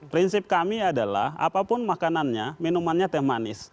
prinsip kami adalah apapun makanannya minumannya teh manis